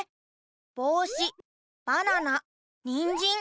ぼうしばななにんじん。